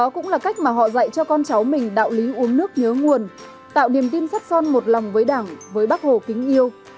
đó cũng là cách mà họ dạy cho con cháu mình đạo lý uống nước nhớ nguồn tạo niềm tin sắt son một lòng với đảng với bác hồ kính yêu